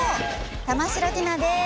玉城ティナです。